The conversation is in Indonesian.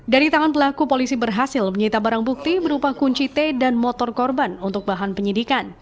dari tangan pelaku polisi berhasil menyita barang bukti berupa kunci t dan motor korban untuk bahan penyidikan